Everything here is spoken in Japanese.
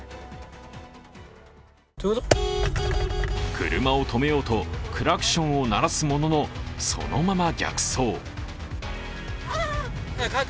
車を止めようとクラクションを鳴らすもののそのまま逆走。